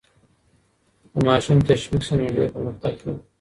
که ماشوم تشویق سي نو ډېر پرمختګ کوي.